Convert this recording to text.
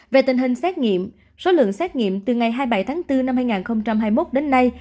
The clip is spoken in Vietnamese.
về tình hình xét nghiệm số lượng xét nghiệm từ ngày hai mươi bảy tháng bốn năm hai nghìn hai mươi một đến nay